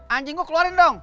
anjing gue keluarin dong